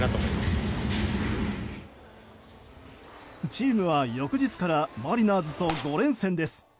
チームは翌日からマリナーズと５連戦です。